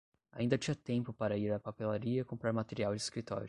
Ainda tinha tempo para ir à papelaria comprar material de escritório.